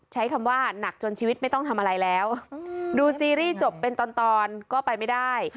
ใช้คำว่าหนักจนชีวิตไม่ต้องทำอะไรแล้วดูซีรีส์จบเป็นตอนก็ไปไม่ได้